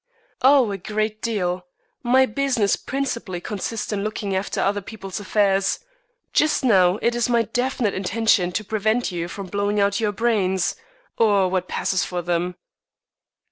"Oh, a great deal. My business principally consists in looking after other people's affairs. Just now it is my definite intention to prevent you from blowing out your brains, or what passes for them."